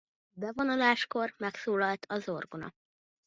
Bevonuláskor megszólalt az orgona.